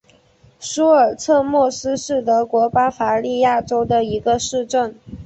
苏尔策莫斯是德国巴伐利亚州的一个市镇。